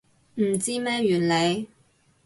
唔知咩原理